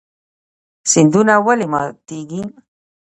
سیندونه ولې ماتیږي؟